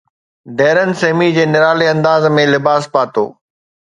Darren Sammy جي نرالي انداز ۾ لباس پاتو